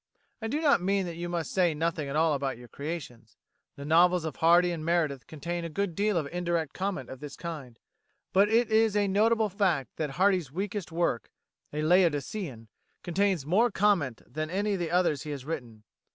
I do not mean that you must say nothing at all about your creations; the novels of Hardy and Meredith contain a good deal of indirect comment of this kind; but it is a notable fact that Hardy's weakest work, "A Laodicean," contains more comment than any of the others he has written.